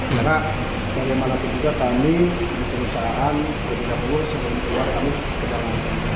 karena bagaimana juga kami perusahaan bergabung sebelum keluar kami ke dalam